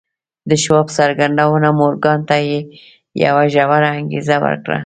د شواب څرګندونو مورګان ته يوه ژوره انګېزه ورکړه.